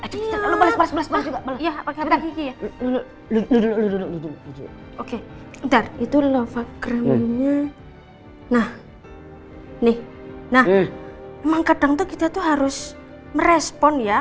hai oke itu lofak remennya nah nih nah menggantung kita tuh harus merespon ya